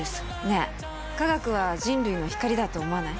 ねぇ科学は人類の光だと思わない？